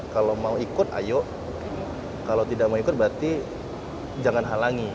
kalau mau ikut ayo kalau tidak mau ikut berarti jangan halangi